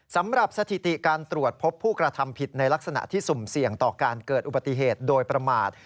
สำหรับสถิติการตรวจพบผู้กระทำผิดในลักษณะที่สุ่มเสี่ยงต่อการเกิดอุบัติเหตุโดยประมาท